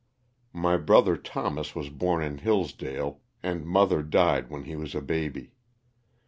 My brother Thomas was born in Hillsdale, and mother died when he was a baby.